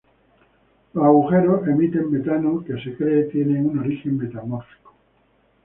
Los agujeros emiten metano que se cree tiene un origen metamórfico.